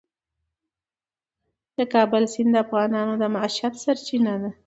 د کابل سیند د افغانانو د معیشت سرچینه ده.